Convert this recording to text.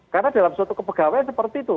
karena dalam suatu kepegawaian seperti itu